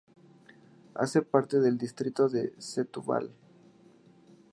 Hace parte del distrito de Setúbal.